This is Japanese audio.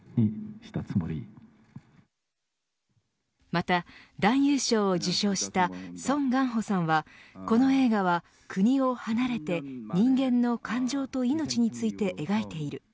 また男優賞を受賞したソン・ガンホさんはこの映画は国を離れて人間の感情と命について描いている。